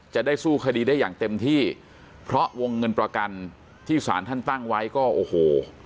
จะได้สู้คดีได้อย่างเต็มที่เพราะวงเงินประกันที่สารท่านตั้งไว้ก็โอ้โห